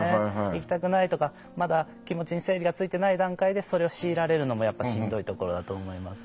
行きたくないとかまだ気持ちに整理がついてない段階でそれを強いられるのもやっぱしんどいところだと思います。